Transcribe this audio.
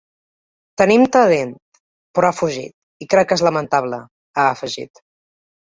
Tenim talent, però ha fugit, i crec que és lamentable, ha afegit.